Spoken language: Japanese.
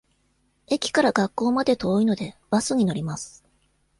駅から学校まで遠いので、バスに乗ります。